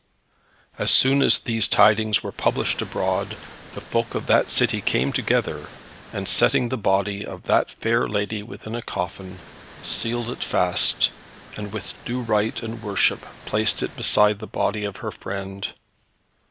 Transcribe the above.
As soon as these tidings were published abroad, the folk of that city came together, and setting the body of that fair lady within a coffin, sealed it fast, and with due rite and worship placed it beside the body of her friend.